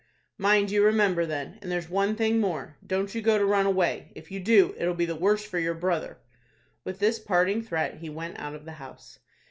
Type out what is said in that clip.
"Mind you remember then. And there's one thing more. Don't you go to run away. If you do, it'll be the worse for your brother." With this parting threat he went out of the house.